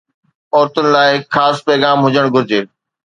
عورتن لاء هڪ خاص پيغام هجڻ گهرجي